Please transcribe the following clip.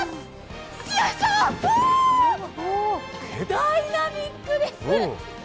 ダイナミックです！